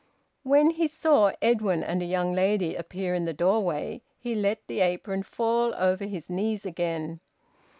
When he saw Edwin and a young lady appear in the doorway, he let the apron fall over his knees again.